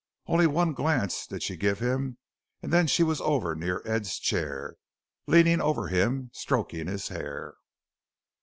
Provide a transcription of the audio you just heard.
Only one glance did she give him and then she was over near Ed's chair, leaning over him, stroking his hair.